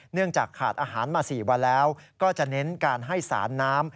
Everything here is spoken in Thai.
เนื่องจากขาดอาหารมา๔วันแล้วก็จะเน้นการให้สารน้ำ